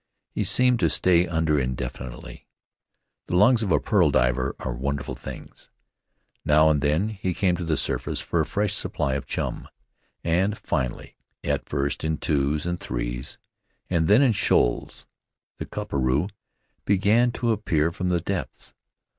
He seemed to stay under indefinitely — the lungs of a pearl diver are wonderful things ! Now and then he came to the surface for a fresh supply of chum, and finally — Faery Lands of the South Seas at first in twos and threes, and then in shoals — the koperu began to appear from the depths.